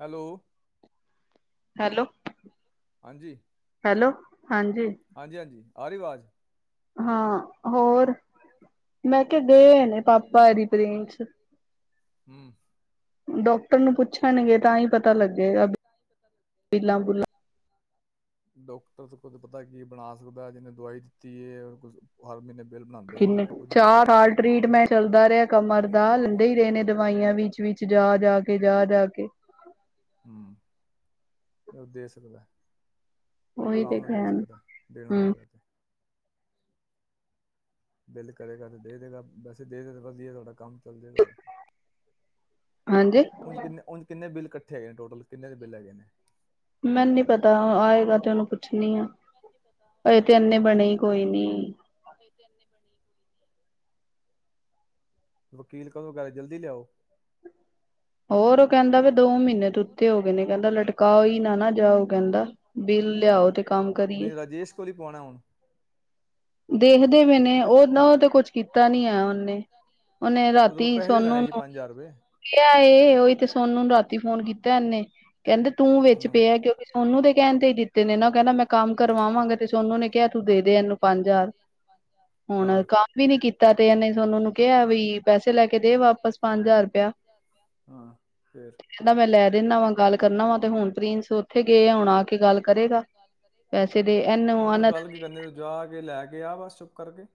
Hello hello ਹਾਂਜੀ hello ਹਾਂਜੀ ਹਾਂਜੀ ਹਾਂਜੀ ਆ ਰਿਵਾਜ਼ ਹਾਂ ਹੋਰ ਮੈਂ ਕਿਹਾ ਗਏ ਨੇ ਪਾਪਾ ਫਿੰਨਸ ਹਮ ਡਾਕਟਰ ਨੂੰ ਪੁੱਛਣਗੇ ਤਾਂ ਹੀ ਪਤਾ ਪਤਾ ਲੱਗੇਗਾ ਪੀਲਾਂ ਬੁਲਾਂ ਡਾਕਟਰ ਪਤਾ ਕੀ ਬਣਾ ਸਕਦਾ ਜਿਹਨੇ ਦਵਾਈ ਦਿੱਤੀ ਹੈ ਹਰ ਮਹੀਨੇ ਬਿੱਲ ਬਣਾਉਂਦੇ ਇਹਨੂੰ ਕਿੰਨੇ ਕਿ ਕੁਝ ਨਾ ਕੁਝ ਚਾਰ ਸੈਟਿੰਗ ਸਾਲ ਕਰਕੇ ਟਰੀਟ ਦੇ ਮੈਂਟ ਸਾਨੂੰ ਚੱਲਦਾ ਰਿਹਾ ਕਮਰ ਦਾ ਲੈਂਦੇ ਹੀ ਰਹੇ ਨੇ ਦਵਾਈਆਂ ਵਿੱਚ ਵਿਚ ਜਾ ਜਾ ਕੇ ਜਾ ਜਾ ਕੇ ਹੂੰ ਇਹ ਉਹ ਦੇ ਸਕਦਾ ਉਹੀ ਤੇ ਆਰਾਮ ਨਾਲ ਦੇ ਕਹਿਣ ਸਕਦਾ ਦੇਣਾ ਹਮ ਆਏਗਾ ਤੇ ਬਿੱਲ ਕਰੇਗਾ ਤੇ ਦੇ ਦੇਗਾ ਵੈਸੇ ਦੇ ਦੇ ਵਧੀਆ ਤੁਹਾਡਾ ਕੰਮ ਚ ਹਾਂਜੀ ਕਿੰਨੇ ਉ ਕਿੰਨੇ ਬਿਲ ਇਕੱਠੇ ਹੈਗੇ ਨੇ ਟੋਟਲ ਕਿੰਨੇ ਦੇ ਬਿੱਲ ਹੈਗੇ ਨੇ ਮੈਨੂੰ ਨੀ ਪਤਾ ਆਏਗਾ ਤੇ ਉਹਨੂੰ ਪੁੱਛਣੀ ਆ ਅ ਤੇ ਇਨੇ ਬਣੇ ਕੋਈ ਨੀ ਤੇ ਇਨੇ ਬਣੀ ਹੋਈ ਵਕੀਲ ਕੋ ਗੱਲ ਜਲਦੀ ਲਿਆਓ ਹੋਰ ਉਹ ਕਹਿੰਦਾ ਵੀ ਦੋ ਮਹੀਨੇ ਤ ਹੋ ਗਏ ਨੇ ਕਹਿੰਦਾ ਲਟਕਾਓ ਹੀ ਨਾ ਨਾ ਜਾਓ ਕਹਿੰਦਾ ਬਿੱਲ ਲਿਆਓ ਤੇ ਕੰਮ ਕਰੀਏ ਨਹੀਂ ਰਾਜੇਸ਼ ਕੋਲ ਹੀ ਪਵਾਉਣਾ ਹੁਣ ਦੇਹ ਮਨ ਨੇ ਉਹ ਨਾ ਉਹ ਤੇ ਕੁਛ ਕੀਤਾ ਨੀ ਆ ਉਹਨੇ ਉਹਹਨੇ ਉਹਦੇ ਕੋਲ ਰਾਤੀ ਪੈਸੇ ਤਾਂ ਸੋਨੂੰ ਲੈਣੇ ਸੀ ਨੂੰ ਪੰਜ ਹਜ਼ਾਰ ਰੁਪਏ ਕਿਹਾ ਇਹ ਉਹੀ ਤੇ ਸੋਨੂੰ ਨੂੰ ਰਾਤੀ ਫੋਨ ਕੀਤਾ ਇਹਨੇ ਕਹਿੰਦੇ ਤੂੰ ਵਿੱਚ ਹੂੰ। ਪਿਆ ਕਿਉਂਕਿ ਸੋਨੂੰ ਤੇ ਕਹਿਣ ਤੇ ਨ ਨਾ ਕਹਿਣਾ ਮੈਂ ਕੰਮ ਕਰਵਾਵਾਂਗੇ ਤੇ ਸੋਨੂੰ ਨੇ ਕਿਹਾ ਤੂੰ ਦੇ ਦੇ ਇਹਨੂੰ ਪੰਜ ਹਜ਼ਾਰ ਹਜ਼ਾਰ। ਹੁਣ ਹਾਂ ਕੰਮ ਵੀ ਨੀ ਕੀਤਾ ਤੇ ਇਹਨੇ ਸੋਨੂੰ ਨੂੰ ਕਿਹਾ ਵੀ ਪੈਸੇ ਲੈ ਕੇ ਦੇ ਵਾਪਸ ਪੰਜ ਹਜ਼ਾਰ ਹਾਂ ਫੇਰ ਕਹਿੰਦਾ ਮੈਂ ਲੈ ਦਿੰਦਾ ਵਾ ਗੱਲ ਕਰਨਾ ਵਾ ਤੇ ਹੁਣ ਪ੍ਰਿੰਸ ਉੱਥੇ ਗਏ ਆ ਹੁਣ ਆ ਕੇ ਗੱਲ ਕਰੇਗਾ ਹ ਕਿਹਾ ਗੱਲ ਪੈਸੇ ਦੇ ਇਹਨੂੰ ਕੀ ਕਰਨੀ, ਤੂੰ ਜਾ ਕੇ ਲੈ ਕੇ ਆ ਬਸ ਕਰਕੇ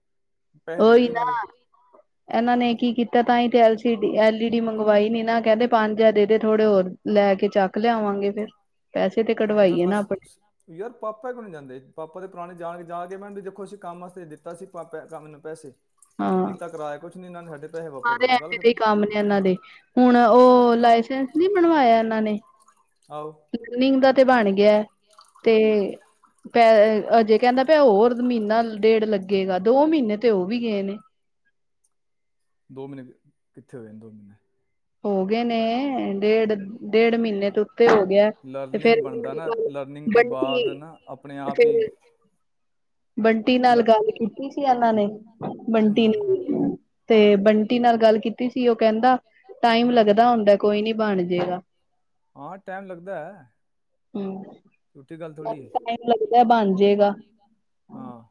ਪੈਸੇ ਦੇ ਦੇ ਉਹੀ ਵੀ ਇਹਨਾਂ ਨਾ ਦੇ ਇਹਨਾਂ ਨੇ ਕੀ ਕੀਤਾ ਤਾਂ ਹੀ ਤੇ L C D L E D ਮੰਗਵਾਈ ਨੀ ਨਾ ਕਹਿੰਦੇ ਪੰਜ ਹਜ਼ਾਰ ਦੇ ਦੇ ਥੋੜੇ ਹੋਰ ਲੈ ਕੇ ਚੱਕ ਲਿਆਵਾਂਗੇ ਫਿਰ ਪੈਸੇ ਤੇ ਹ ਕਢਵਾਈਏ ਨਾ ਬਸ ਆਪਣੇ ਯਾਰ ਪਾਪਾ ਕਿ ਨ ਜਾਂਦੇ, ਪਾਪਾ ਦੇ ਪੁਰਾਣੇ ਜਾਣ ਜਾ ਕੇ ਮੈ ਖੁਸ਼ ਕੰਮ ਵਾਸਤੇ ਦਿੱਤਾ ਸੀ, ਪਾਪਾ ਨੇ ਕੰਮ ਨੂੰ ਪੈਸੇ ਹਾਂ ਕੀਤਾ ਕਰਾਇਆ ਕੁਛ ਨੀ ਇਹਨਾਂ ਵਾਪਸ ਸਾਰੇ ਦੋ ਗੱਲ ਐਵੇਂ ਦੇ ਖਤਮ ਹੀ ਕੰਮ ਨੇ ਉਹਨਾਂ ਦੇ ਹੁਣ ਉਹ ਲਾਇਸੈਂਸ ਨਹੀਂ ਬਣਵਾਇਆ ਇਹਨਾਂ ਨੇ ਨੇ ਆਹੋ ਲਰਨਿੰਗ ਦਾ ਤੇ ਬਣ ਗਿਆ ਤੇ ਪੈ ਅਜੇ ਕਹਿੰਦਾ ਪੈ ਹੋਰ ਮਹੀਨਾ ਡੇੜ ਲੱਗੇਗਾ ਦੋ ਮਹੀਨੇ ਤੇ ਉਹ ਵੀ ਗਏ ਨੇ ਦੋ ਮਹੀਨੇ ਕਿੱਥੇ ਹੋਏ ਨੇ ਦੋ ਮਹੀਨੇ ਹੋ ਗਏ ਨੇ ਡੇਢ ਡੇਢ ਮਹੀਨੇ ਤੋਂ ਉੱਤੇ ਹੋ ਗਿਆ ਤੇ ਲਰਨਿੰਗ ਫੇਰ ਬਣਦਾ ਨਾ ਲਰਨਿੰਗ ਤੋਂ ਬੰਟੀ ਬਾਅਦ ਨਾ ਆਪਣੇ ਆਪ ਫੇਰ ਹੀ ਬੰਟੀ ਨਾਲ ਲ ਗੱਲ ਕੀਤੀ ਸੀ। ਇਹਨਾਂ ਨੇ ਬੰਟੀ ਹਾਂ ਨਾਲ ਤੇ ਬੰਟੀ ਨਾਲ ਗੱਲ ਕੀਤੀ ਸੀ ਉਹ ਕਹਿੰਦਾ ਟਾਈਮ ਲੱਗਦਾ ਹੁੰਦਾ ਕੋਈ ਨੀ ਬਣ ਜੇਗਾ ਹਾਂ ਟਾਈਮ ਲੱਗਦਾ ਹੈ ਹਮ ਛੋਟੀ ਗੱਲ ਥੋੜ੍ਹੀ ਹੈ। ਟਮ ਲੱਗਦਾ ਬਣ ਜੇਗਾ। ਹਾਂ।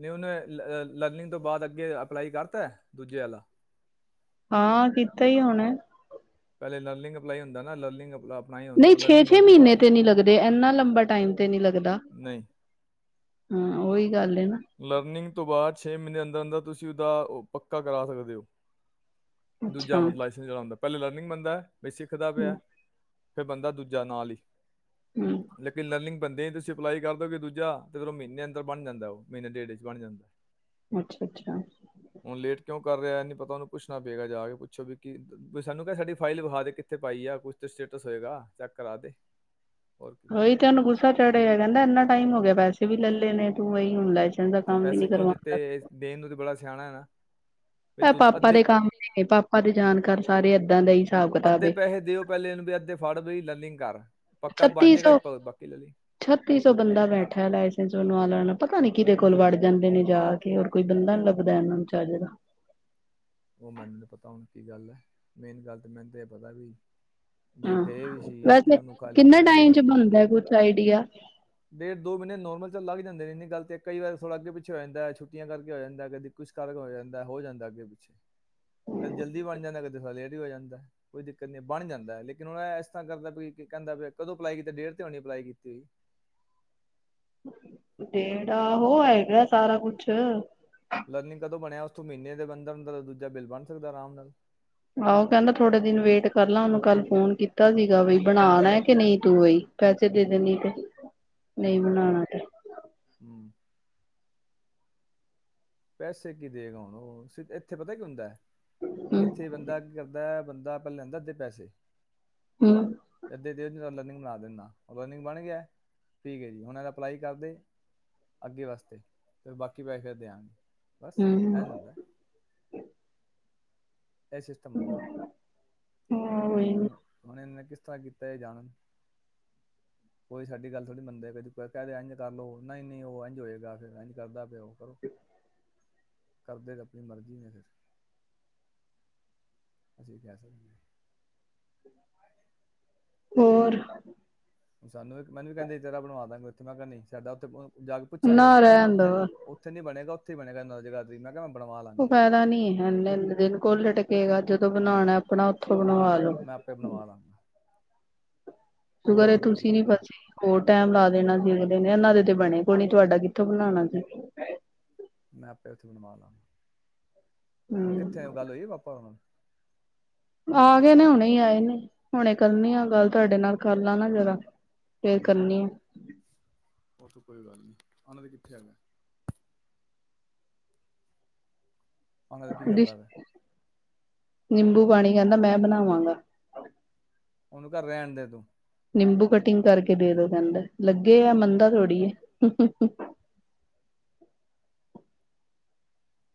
ਨਹੀਂ ਉਹਨੇ ਲਰਨਿੰਗ ਤੋਂ ਬਾਅਦ ਅੱਗੇ ਅਪਲਾਈ ਕਰਤਾ ਦੂਜੇ ਵਾਲਾ ਹਾਂ ਕੀਤਾ ਹੀ ਹੋਣਾ ਪਹਿਲਾ ਲਰਨਿੰਗ ਅਪਲਾਈ ਹੁੰਦਾ, ਨਾ ਲਰਨਗ ਨਹੀਂ ਛੇ ਛੇ ਮਹੀਨੇ ਤੇ ਨੀ ਲੱਗਦੇ ਇਨਾ ਲੰਬਾ ਟਾਈਮ ਤੇ ਨੀ ਲੱਗਦਾ। ਨਹੀਂ ਨਹੀਂ ਹਾਂ ਉਹੀ ਗੱਲ ਹੈ ਨਾ ਲਰਨਿੰਗ ਤੋਂ ਬਾਅਦ ਛੇ ਮਹੀਨੇ ਅੰਦਰ ਅੰਦਰ ਤੁਸੀਂ ਉਹਦਾ ਉਹ ਪੱਕਾ ਕਰਾ ਸਕਦੇ ਹੋ ਅੱਛਾ ਦੂਜਾ ਮਤਲਬ ਲਾਈਸ ਚਲਾਉਂਦਾ। ਪਹਿਲਾ ਲਰਨਿੰਗ ਬੰਦਾ ਹੈ। ਕਿ, ਸਿੱਖ ਦਾ ਪਿਆ ਹੈ। ਫੇਰ ਬੰਦਾ ਦੂਜਾ ਨਾਲ ਹੀ ਹੂੰ ਲੇਕਿਨ ਲਰਨਿੰ ਬੰਣਦੇ ਹੀ ਤੁਸੀਂ ਅਪਲਾਈ ਕਰਦਓਗੇ ਦੂਜਾ ਤੇ ਫਿਰ ਉਹ ਮਹੀਨੇ ਅੰਦਰ ਬਣ ਜਾਂਦਾ ਉਹ ਮਹੀਨੇ ਡੇਢੇ ਚ ਬਣ ਜਾਂਦਾ। ਅੱਛਾ ਅੱਛਾ। ਹੁਣ ਲੇਟ ਕਿਉਂ ਕਰ ਰਿਹਾ ਨ ਪਤਾ ਉਹਨੂੰ ਪੁੱਛਣਾ ਪਏਗਾ ਜਾ ਕੇ ਪੁੱਛੋ ਵੀ ਕੀ ਸਾਨੂੰ ਕਹਿ ਸਾਡੀ ਫਾਈਲ ਵਿਖਾ ਦੇ ਕਿੱਥੇ ਪਾਈ ਆ ਕੁਛ ਤੇ ਸਟੇਟਸ ਹੋਏਗਾ ਚੈੱਕ ਕਰਾ ਦੇ ਹੋਰ ਕੀ ਉਹੀ ਤੇ ਉਹਨੂੰ ਗੁੱਸਾ ਚੜਿਆ ਗਿਆ। ਕਹਿੰਦਾ ਇੰਨਾ ਟਾਈਮ ਹੋ ਗਿਆ ਪੈਸੇ ਵੀ ਲੈੇ ਨੇ ਤੂੰ ਏਈ [inaudible] ਤੇ ਪੈਸੇ ਕਿਉਂ ਦਿੱਤੇ ਦੇਣ ਨੂੰ ਤੇ ਬੜਾ ਸਿਆਣਾ ਹੈ ਨਾ ਵੀ ਇਹ ਤੂੰ ਪਾਪਾ ਅੱਧੇ ਦੇ ਕੰਮ ਪਾਪਾ ਦੇ ਜਾਣਕਾਰ ਸਾਰੇ ਏਦਾਂ ਦਾ ਹੀ ਹਿਸਾਬ ਕਿਤਾਬ ਅੱਧੇ ਪੈਸੇ ਦਿਓ ਪਹਿਲੇ ਇਹਨੂੰ ਵੀ ਅੱਧੇ ਫੜ [unintelligible] ਬਣ ਛੱਤੀ ਸੌ ਜਾਏਗਾ ਬਾਕੀ ਲੈ ਲਈ ਛੱਤੀ ਸੌ ਬੰਦਾ ਬੈਠਾ ਲਾਇਸੈਂਸਨਣ ਪਤਾ ਨ ਨਹੀ ਕਿਤੇ ਕੋਲ ਵੜ ਜਾਂਦੇ ਨੇ ਜਾ ਕੇ ਹੋਰ ਕੋਈ ਬੰਦਾ ਨੀ ਲੱਗਦਾ ਇਹਨਾਂ ਨੂੰ ਚੱਜ ਦਾ [inaudible] ਜੇ ਹਾਂ ਗਏ ਵੀ ਸੀ ਤੇ ਵੈਸੇ ਉਹਨੂੰ ਖਾੇ ਕਿੰਨੇ ਕਹਿਣ ਬਈ ਟਾਈਮ ਚ ਬਣਦਾ ਕੁਛ ਆਈਡੀਆ ਡੇਢ ਦੋ ਮਹੀਨੇ ਨੋਰਮਲ ਚੱਲਲਾ ਨੇੰਨੀ ਗਤ ਹੈ ਕਈ ਵਾਰ ਥੋੜ੍ਹਾ ਅੱਗੇ ਪਿੱਛੇ ਹੋ ਜਾਂਦਾ ਛੁੱਟੀਆਂ ਕਰਕੇ ਜਾਂਦਾ ਕਦੇ ਕੁਛ ਕਰਕੇ ਹੋ ਜਾਂਦਾ ਹੋ ਜਾਂਦਾ ਅੱਗੇ ਪਿੱਛੇ ਕਦੇ ਜਲਦੀ ਬਣ ਜਾਂਦਾ ਕਦੇ ਥਾ ਲੇਟ ਵੀ ਹੋ ਜਾਂਦਾ ਕੋਈ ਦਿੱਕਤ ਨਹੀਂ ਬਣ ਜਾਂਦਾ ਲੇਕਿਨ ਉਹਨ ਇਸ ਤਰ੍ਹਾਂ ਕਰਦਾ ਵੀ ਕਹਿੰਦਾ ਵੀ ਕਦੋਂ ਅਪਲਾਈ ਕੀਤੀ ਡੇਰ ਤੇ ਹੋਣੀ ਅਪਲਾਈ ਕੀਤੀ ਹੋਈ ਡੇਢ ਆੋ ਹੈਗਾ ਸਾਰਾ ਕੁਛ ਲਰਨਿੰਗ ਕਦੋਂ ਬਣਿਆ ਉਸਥੋਂ ਮਹੀਨੇ ਦੇ ਅੰਦਰ ਅੰ ਦੂਜਾ ਬਿੱਲ ਬਣ ਸਕਦਾ ਆਰਾਮ ਨਾਲ ਆਹੋ ਕਹਿੰਦਾ ਥੋੜੇ ਦਿਨ ਵੇਟ ਕਰ ਲ ਉਹਨੂੰ ਕੱਲ ਫੋਨ ਕੀਤਾ ਸੀਗਾ ਬਈ ਬਣਾਣਾ ਕਿ ਨਹੀਂ ਤੂੰ ਈ ਪੈਸੇ ਦੇ ਹੂੰ ਦੇਣੀ ਤੇ ਨਹੀਂ ਹੂੰ ਬਨਾਣਾ ਤੇ ਹੂੰ ਪੈਸੇ ਕੀ ਦੇਗਾ ਹੁਣ ਉਹ ਇੱਥੇ ਪਤਾ ਕੀ ਹੁੰਦਾ ਹੂੰ ਇੱਥੇ ਬੰਦਾ ਕੀ ਕਰਦਾ ਬੰਦਾ ਆਪਾਂ ਲੈਂਦਾ ਇੱਧੇ ਪੈਸੇ ਹੂੰ ਅੱਦ ਦਿ ਚੱਲ ਨ ਬਣਾ ਦਿੰਦਾ ਲਰਨਿੰਗ ਬਣ ਗਿਆ ਪੀਕ ਜੀ ਹੁਣ ਯ ਅਪਲਾਈ ਕਰਦੇ ਅੱਗੇ ਵਾਸਤੇ ਤੇ ਬਾਕੀ ਪੈਸੇ ਫੇਿਰ ਦੇਿਆਂਗੇ ਬਸ ਐ ਹੂੰ ਹਦਾ ਇਹ ਸਿਸਟਮ ਹੁੰਦਾ ਹ ਹਾਂ ਉਹੀ ਉਹੁਣ ਕਿਸ ਤਰ੍ਹਾਂ ਕੀਤਾ ਇਹ ਜਾਣ ਕੋਈ ਸਾਡੀ ਗੱਲ ਥੋੜ੍ਹੀ ਮੰਨਦੇ ਕਹਿ ਦ ਇੰਝ ਕਰ ਲਓ ਨਹੀਂ ਨਹੀਂ ਉਹ ਇੰਝ ਹੋਏਗਾ ਫਿਰ ਇੰਝ ਕਰਦਾ ਪਿਆ ਉਹ ਕਰੋ ਕਰਦੇ ਕੁ ਆਪਣੀ ਮਰਜ਼ੀ ਨੇ ਫਿਰ ਅਸੀਂ ਕਹਿ ਸਕ ਹੋਰ ਸਾਨੂੰ ਇੱਕ ਮਨੂੰ ਕਹਿੰਦੇ ਜਿਹੜ ਬਵਾ ਦਾਂਗੇ ੇੈਂ ਕਿਹਾ ਨਹੀਂ ਸਾਡਾ ਉੱਥੇ ਜਾ ਕੇ ਪੁੱਛਿਆ ਨਾ ਜਦੋਂ ਕਹਿੰਦਾ ਰਹਿਣ ਦੋ ਉੱਥੇ ਉਥੇ ਨੀ ਬਣੇਗਾੇ ਇੱੇ ਬਿਆ ਜ੍ਹਾ ਮੈਂ ਕਿਹਾ ਬਣਵਾ ਲਾਂਗਾ ਉਹ ਆਪਣੇ ਆਪ। ਫਾਇਦਾ ਨਹੀਂੀ ਹੈ ਦਿਨ ਕੋ ਟ ਗਾ ਜਦੋਂ ਨਹੀਂ ਨਹੀਂ, ਬਣਾਉਣਾ ਆਪਣਾ ਉਓਥੋਂ ਬਣਵਾ ਮੈਂ ਆਪੇ ਲੋੋ ਬਣਵਾ ਲਾਂਗਾ ਤਗਰ ਇਹ ਮੈਨੂੰ ਕੋਈ ਤੁਸੀਂ ਦਿੱਕਤ ਨੀ ਨਹੀਂ ਪਤਾ ਹੋਰ ਟੈਮ ਲਾ ਦੇਣਾ ਦੇ ਨੇ ਇਹਨਾਂ ਦੇ ਤੇ ਬਣੇ ਕੋ ਨ ਤੁਹਾਡਾ ਕਿੱਥੋਂ ਬਣਾਣਾ ਸੀ ਮੈਂ ਆਪੇ ਉੱਥੇ ਬਣਵਾ ਲਵ ਹੁਣ ਕਿੱਥੇ ਹਮ ਗੱਲ ਹੋਈਏ ਪਾਪਾ ਹਣ ਆ ਗਏ ਨੇ ਹੁਣੇ ਹੀ ਆਏ ਨੇ ਹੁਣੇ ਕਰਨੀ ਆ ਗੱਲ ਤੁਹਾਡੇ ਨਾਲ ਕਰ ਲਾ ਨਾ ਜਰਾ ਫੇਰ ਹੂੰ ਕਰਨੀ ਆ ਉਹ ਤਾਂ ਕੋਈ ਗੱਲ ਨੀ ਉਹਨਾਂ ਤੇ ਕਿੱਥੇ ਆ ਉਹਨਾਂ ਦਾ ਕੀ ਕਰਦਾ ਫਿਰ ਨਬੂ ਪਾਣੀ ਕਹਿੰਦਾ ਮੈਂ ਬਣਾਵਾਂਗਾ ਉਹਨੂੰ ਕਿਹ ਰਹਿਣ ਦੇ ਤੂੰ ਨਿੰਬੂ ਕਟਿੰਗ ਕਰਕੇ ਦੇ ਦੋ ਕਹਿੰਦਾ ਲੱ ਗਏ ਆ ਮੰਦਾ ਤਥੋੜੀਏ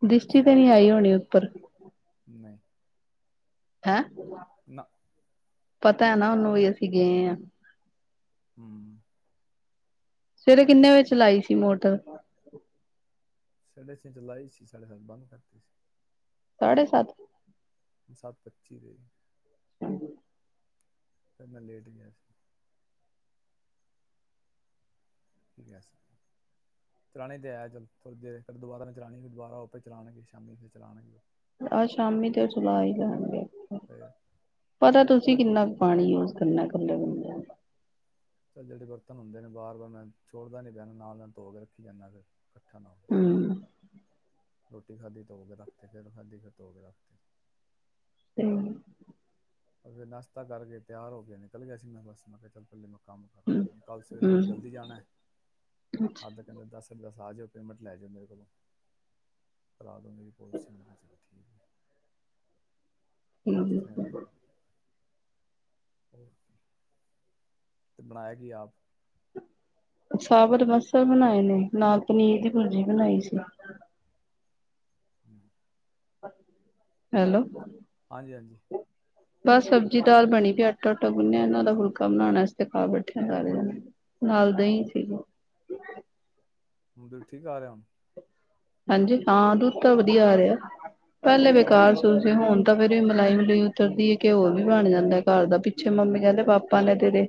ਦ੍ਰਸ਼ਟੀ ਤੇ ਨਹੀਂੀ ਸਿਆਣ ਆਈ ਹੋਣੀ ਉੱਪਰ ਨਹੀਂ ਹੈਂ ਨਾ ਪਤਾ ਹੈ ਨਾ ਉਹਨੂੰ ਵੀ ਅਸੀਂ ਗਏ ਹਾਂ ਹਮ ਸਵੇਰੇ ਕਿੰਨੇ ਵਜੇ ਚਲਾਈ ਸੀ ਮੋਟਰ ਸਡੇਥੇ ਚਲਾਈ ਸੀ ਸਾੇ ਬੰਦ ਕਰਤੀ ਸੀ ਸਾਢੇ ਸੱਤ ਹ ਸਭ ਪੱਚੀ ਗਈ ਫ ਮੈਂ ਲੇਟ ਗਿਆ ਸੀ ਠੀਕ ਚਲਾਉਣੀ ਤੇ ਆ ਚੱਲ ਥੋੜੀ ਦੇਰ ਫ ਦੁਬਾਰਾ ਮੈਂ ਚਲਾਉਣੀ ਦੁਬਾਰਾ ਉੇ ਚਲਾਉਣਗੇ ਸ਼ਾਮੀ ਚਲਾਉਣਗੇ ਆਹ ਸ਼ਾਮੀ ਤੇ ਚਲਾ ਹੀ ਜਾਣਗੇ ਫਿਰ ਪਤਾ ਤੁਸੀਂ ਕਿੰਨਾ ਕੁ ਪਾਣੀ ਯੂਜ ਕਰਨਾ ਗੱਲ ਗੱਲ ਚੱਲ ਜਿਹੜੇ ਬਰਤਨ ਹੁੰਦੇ ਨੇ ਬਾਰ ਵਾਰ ਮੈਂ ਛੋੜਦਾ ਨੀ ਪੈਣਾ ਨਾਲ ਮੈਂ ਧੋ ਕੇ ਰੱਖੀ ਜਾਂਦਾ ਫਿਰ ਇਕੱਠਾ ਨਾ ਹੋਵੇ ਹਮ ਰੋਟੀ ਖਾਧੀ ਧੋ ਕੇ ਰੱਖਦੇ ਫਿਰ ਖਾਧੀ ਫਿਰ ਧੋ ਕੇ ਰੱਖਦੇ ਤੇਮ ਫਿਰ ਨਾਸ਼ਤਾ ਕਰਕੇ ਤਿਆਰ ਹੋ ਕੇ ਨਿਕਲ ਗਿਆ ਸੀ ਮੈਂ ਬਸ ਮੈਂ ਕਿਹਾ ਚੱਲ ਪੱਲੇ ਕੰਮ ਕੱਲ ਸਵੇਰੇ ਥੋੜ੍ਹਾ ਹਮ ਜਲਦੀ ਜਾਣਾ ਅੱਛਾ ਅੱਧ ਕਹਿੰਦੇ ਦਸ ਦ ਆ ਜਾਿਓ ਪੇਮੈਂਟ ਲੈ ਜਾਓ ਮੇਰੇ ਕੋਲੋਂ ਕਰਾ ਦਿਓ ਮੇਰੀ ਪੋਲਸੀ ਠੀਕ ਹਮ ਇਸ ਤਰ੍ਹਾਂ ਹੀ ਹੋਏਗੀ ਤੇ ਬਣਾਇਆ ਕੀ ਆਪ [unintelligible] ਸਾਬਤ ਮਸਰ ਬਣਾਏ ਨੇ ਨਾਲ ਪਨੀਰ ਦੀ ਭੁੁਰਜੀ ਬਣਾਈ ਸੀ ਹਮ ਹੈਲੋ ਹਾਂਜੀ ਹਾਂਜੀ ਬਸ ਸਬਜ਼ੀ ਦਾਲ ਬਣੀ ਪਈ ਆਟਾ ਆਟਾ ਗੁਨਿਆ ਇਹਨਾਂ ਦਾ ਹੁਲਕਾ ਬਣਾਉਣ ਵਾਸਤੇ ਖਾ ਬੈਠਿਆ ਜਾ ਰਹੀਆਂ ਨੇ ਨਾਲ ਦਹੀਂ ਸੀਗੇ ਹੁਣ ਤੁਠੀਕ ਆ ਰਿਹਾ ਹੁਣ ਹਾਂਜੀ ਹਾਂ ਦੁੱਧ ਤਾਂ ਵਧੀਆ ਆ ਰਿਹਾ ਪਹਿਲੇ ਬੇਕਾਰ ਸੂਸ ਹੁਣ ਤਾਂ ਫੇਿਰ ਵੀ ਮਲਾਈ ਉਤਰਦੀ ਹੈ ਘਿਓ ਵੀ ਬਣ ਜਾਂਦਾ ਘਰ ਦਾ ਪਿੱਛੇ ਮੰਮੀ ਕਹਿੰਦੇ ਪਾਪਾ ਨੇ ਤੇਰੇ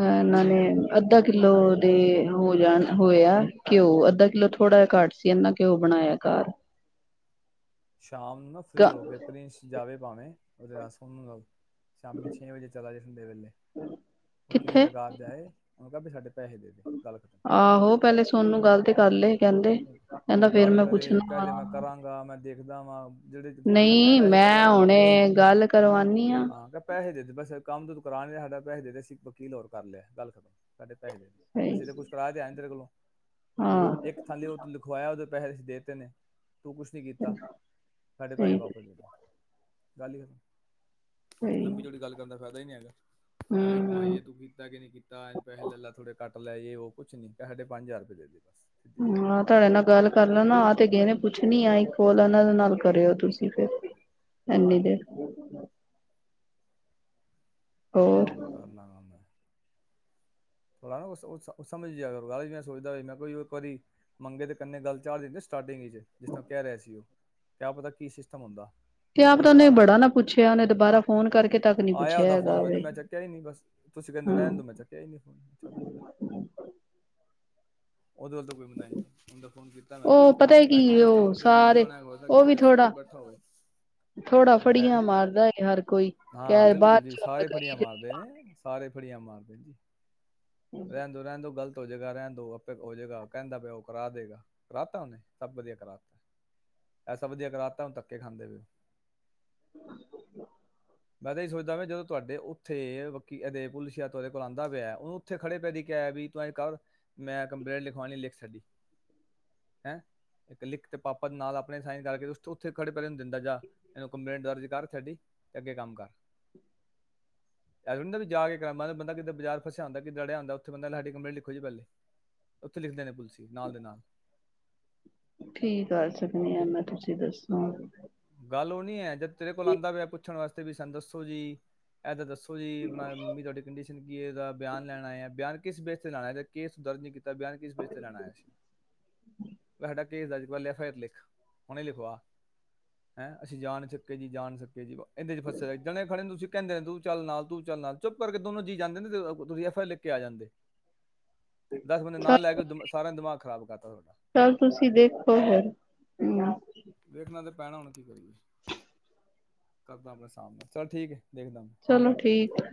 ਅ ਇਹਨਾਂ ਨੇ ਅੱਧਾ ਕਿੱਲੋ ਦੇ ਹੋ ਜਾਣ ਹੋਇਆ ਘਿਓ ਅੱਧਾ ਕਿੱਲੋ ਥੋੜਾ ਜਿਹਾ ਘੱਟ ਸੀ ਇਹਨਾ ਕਿ ਉਹ ਬਣਾਇਆ ਘਰ ਸ਼ਾਮ ਨੂੰ ਨਾ ਫ੍ਰਰੀ ਗ ਹੋ ਕੇ ਪ੍ਰਿੰਸ ਜਾਵੇ ਭਾਵੇਂ ਉਹਰਾਸਣ ਲਓ ਸ਼ਾਮੀ ਛੇ ਵਜੇ ਚਲਾ ਜ ਹ ਦੇ ਵੇਲੇ ਵਕੀਲ ਕਿੱਥੇ ਲਗਾਤ ਜਾਏ ਵੀ ਸਾਡੇ ਪੈਸੇ ਦੇ ਦੇ ਗੱਲ ਖਤਮ ਆਹੋ ਪਹਿਲੇ ਸੋਨ ਨੂੰ ਗੱਲ ਤੇ ਕਰ ਲਏ ਕਹਿੰਦੇ ਕਹਿੰਦਾ ਫੇਰ ਗੱਲ ਮੈਂ ਕਰੇ ਉਹ ਕਹਿ ਪੁੱਛਣਾ ਦੇ ਮੈਂ ਕਰਾਂਗਾ ਮੈਂ ਦੇਖਦਾ ਵਾਂ ਜਿਹੜੇ ਵਕੀਲ ਹੁੰਦੇ ਨਹੀਂ ਪੈਸੇ ਚਲੇ ਮੈਂ ਨਾ ਵਾਪਸ ਹੁਣੇ ਗੱਲ ਕਰਵਾਨੀ ਆ ਹਾਂ ਕ ਪੈਸੇ ਦੇ ਬਸ ਕੰਮ ਤੋਂ ਦਕਾਨ ਸਾਡਾ ਪੈਸੇ ਦੇ ਸੀ ਵਕੀਲ ਹੋਰ ਕਰ ਲਿਆ ਗੱਲ ਖਤਮ ਸਾਡੇ ਪਦੇ ਅਸੀਂ ਤਾਂ ਕੁੱਛ ਕਰਾ ਦੇ ਆ ਤੇਰੇ ਕੋਲੋਂ ਹਾਂ ਉਹੂੰ ਲਿਖਵਾਇਆ ਉਹਦੇ ਪੈਸੇ ਅ ਦੇ ਦਿੱਤੇ ਨੇ ਤੂੰ ਕੁਛ ਨੀ ਕੀਤਾ ਸਾਡੇ ਪੈਸੇ ਸਹੀ ਵਾਪਰ ਜਦੇ ਗਾਲ ਹ ਸਹੀ ਲੰਬੀ ਜੋੜੀ ਗੱਲ ਕਰਦਾ ਖਦਾ ਹੀ ਨਹੀਂ ਹੈ ਹੂੰ ਐਵੇਂ ਕਮਾਈਏ ਹੂੰ ਤੂੰ ਕੀਤਾ ਕਿ ਨਹੀਂੀ ਕੀਤਾ ਐ ਪੈਸੇ ਲੈਾ ਥੋੜੇ ਘੱਟ ਲੈ ਜੇ ਉਹ ਕੁਛ ਨੀ ਸਾਡੇ ਪੰਜ ਹਜ਼ਾਰ ਰੁਪਏ ਦੇ ਬਸ ਸਿੱਧੀ ਹ ਜੀ ਗੱਲ ਤੁਹਾਡੇ ਨਾਲ ਗੱਲ ਕਰ ਲੈਣਾ ਆਹ ਤੇ ਗਏ ਨੇ ਕੁਛ ਨੀ ਆਈ ਕੋਲ ਇਹਨਾ ਦੇ ਨਾਲ ਕਰਿਓ ਤੁਸੀਂ ਫਿਰ ਇਨੀ ਦੇਰ ਹੋਰ ਕੋਈ ਨਹੀਂੀ ਕਰ ਲਾਂਗਾ ਮੈਂ ਥੋੜਾ ਨਾ ਸਮਝ ਗਿਆ ਕਰੋ ਮੈਂ ਸੋਚਦਾ ਮੈਂ ਕੋਈ ਇੱਕ ਵਾਰੀ ਮੰਗੇ ਤੇ ਗੱਲ ਚਝਾੜ ਦਿੰਦੇ ਸਟਾਰਟਿੰਗ ਵਿੱਚ ਜਿਸ ਤਰ੍ਹਾਂ ਕਹਿ ਰਿਹਾ ਸੀ ਉਹ ਕਿਆ ਪਤਾ ਕੀ ਸਿਸਟਮ ਹੁੰਦਾ ਤੇ ਆਪ ਤਾਂ ਉਹਦੇ ਉਹਨੇ ਨਾਲ ਬੜਾ ਨਾ ਪੁੱਛਿਆ ਉਹਨੇ ਦੁਬਾਰਾ ਫੋਨ ਕਰਕੇ ਤੱਕ ਨੀ ਆਇਆ ਪੁੱਛਿਆ ਉਹਦਾ ਫੋਨ ਹੈਗਾ ਮੈਨੂੰ ਮੈਂ ਚੱਕਿਆ ਹੀ ਹਮ ਚੱਲ ਭਏ ਉਹਦੇ ਵੱਲ ਕੋਈ ਬੰਈ ਹ ਫੋਨ ਕੀਤਾ ਉਹ ਮੈਨੂੰ ਪਤਾ ਕੀ ਮੈਂ ਕੀਤਾ ਉਹ ਬਿਜੀ ਸਾਰੇ ਹੋਣਾ ਉਹ ਵੀ ਅਫਸ ਕੋਲ ਥੋੜਾ ਬੈਠਾ ਹੋਵੇ ਥੋੜਾ ਫੜੀਆਂ ਮਾਰਦਾ ਏ ਹਰ ਕੋਈ ਹਾਂ ਕਹਿ ਬਿਲਕੁਲ ਬਾਅਦ ਜੀ ਚ ਸਾਰੇ ਫੜੀਆਂ ਕਈ ਮਾਰਦੇ ਨੇ ਸਾਰੇ ੜੀਆਂ ਮਾਰਦੇ ਜ ਰਹਿੰਦਾ ਰਹਿੰ ਦ ਗਲਤ ੋ ਜਗ੍ਹਾ ਰਹਿਣ ਦੋ ਆਪ ਉਹ ਜਗ੍ਹਾ ਕਹਿੰਦਾ ਪਿਆ ਉਹ ਕਰਾ ਦੇਗਾ ਕਰਾ ਤਾ ਉਹਨੇ ਸਭ ਵਧੀਆ ਕਰਾਤਾ ਐਸਾ ਵਧੀਆ ਕਰਾਤਾਾ ਉਹ ਧੱਕੇ ਖਾਂਦੇ ਪ ਉਹ ਮੈਂ ਤਾਂ ਇਹ ਸੋਚਦਾ ਵੀ ਜਦੋਂ ਤੁਹਾਡੇ ਉੱਥੇ ਬਾਕੀ ਇਹਦੇ ਪੁਲਿਸ ਜਾਂਹਾਦੇ ਕੋਲ ਆਉਂਦਾ ਪਿਆ ਓਨੂੰ ਉੱਥੇ ਖੜੇ ਪੈਦੀ ਕ ਵੀ ਤੂੰ ਕਰ ਮੈਂ ਕੰਪਲੇਂਟ ਲਿਖਵਾਉਣੀ ਲਿਖ ਸਾਡੀ ਹੈਂ ਇੱਕ ਲਿਖ ਤੇ ਪਾਪਾ ਨਾਲ ਆਪਣੇ ਸਾਈਨ ਕਰਕੇ ਉਥੇ ਖੜੇ ਪਨੂੰ ਦਿੰਦਾ ਜਾ ਇਹਨੂੰ ਕੰਪਲੇਂਟ ਦਰਜ ਕਰ ਸਾਡੀ ਤੇ ਅੱਗੇ ਕੰਮ ਕਰ ਜਾ ਕੇ ਕਰ ਬੰਦਾ ਕਿੱਾਂ ਬਾਜ਼ਾਰ ਫਸਿਆ ਆਉਂਦਾ ਕਿੱਦਾਂ ਰੜਿਆਉਂਦਾ ਉੱਥੇ ਬੰਦਾ ਸਾਡੀ ਕੰਪਰੇ ਲਿਖੋ ਜੀ ਪਹਿਲੇ ਉੱਥੇ ਲਿਖਦੇ ਨੇ ਪੁਲਸੀ ਨਾਲ ਦੇ ਨਾਲ ਕੀ ਕਰ ਸਕਣੀ ਆ ਮੈਂ ਤੁਸੀਂ ਦੱਸੋ ਗੱਲ ਉਹ ਨੀ ਹੈ ਜ ਤੇਰੇ ਕੋਲ ਆਂਦਾ ਪਿਆ ਪੁਛਣਾਸਤੇ ਵੀ ਸਾਨੂੰ ਦੱਸੋ ਜੀ ਇਹ ਤਾਂ ਦੱਸੋ ੋ ਜੀ ਆਪਣਾ ਮੰਮੀ ਤੁਹਾਡੀ ਕੰਡੀਸ਼ਨ ਕੀ ਹੈ ਇਹਦਾ ਬਿਆਨ ਲੈਣ ਆਇਆ ਬਿਆਨ ਕਿਸ ਬੇਸ ਤੇ ਲਾਣਾ ਕੇਸ ਦਰਜ ਨਹੀਂ ਕੀਤਾ ਬਿਆਨ ਕਿਸ ਬੇਜ ਤੇ ਜਾਣਾ ਆਇਆ ਸੀ ਹਟਕ ਅਜ ਲੈਫਤ ਲਿਖ ਹੁਣੇ ਲਿਖ ਹੈਂ ਅਸੀਂ ਜਾਣ ਸਕੇ ਜੀ ਜਾਣ ਸਕੇ ਜੀ ਇਹਦੇ ਚ ਫਸੇ ਜਣੇ ਖੜੇ ਨੇ ਤੁਸੀਂ ਕਹਿੰਦੇ ਨੇ ਤੂੰ ਚੱਲ ਨਾਲ ਤੂੰ ਚੱਲ ਨਾਲ ਚੁੱਪ ਕਰਕੇ ਦੋਨੋ ਜੀ ਜਾਂਦੇ ਨੇ ਤੁਸੀਂ ਐਫ ਆਈ ਲੈ ਕੇ ਆ ਜਾਂਦੇ ਦਸ ਬੰਦੇ ਚੱਲ ਨਾਲ ਲੈ ਕੇਮ ਸਾਰਿਆਂ ਦਿਮਾਗ ਖ਼ਰਾਬ ਕਰਤਾ ਤੁਹਾਡਾ ਚੱਲ ਤੁਸੀਂ ਦੇਖੋ ਫਿਰ ਹਮ ਵੇਖਣਾ ਤੇ ਪੈਣਾ ਉਹਣਾ ਕੀ ਕਰੀਏ ਕਰਦਾ ਆਪਣੇ ਸਾਮਣੇ ਚੱਲ ਠੀਕ ਹੈ ਦੇਖਦਾ ਮੈਂ ਚਲੋ ਠੀਕ ਆ